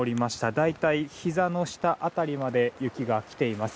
大体ひざの下辺りまで雪が来ています。